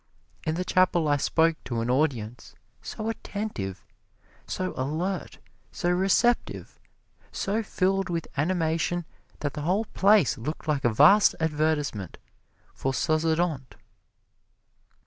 In the chapel I spoke to an audience so attentive, so alert, so receptive, so filled with animation, that the whole place looked like a vast advertisement for Sozodont.